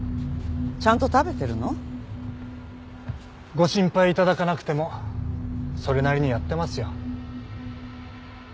ご心配頂かなくてもそれなりにやってますよ。